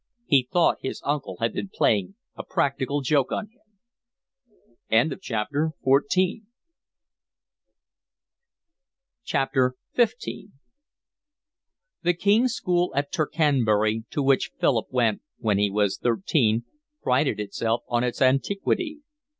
He thought his uncle had been playing a practical joke on him. XV The King's School at Tercanbury, to which Philip went when he was thirteen, prided itself on its antiquity.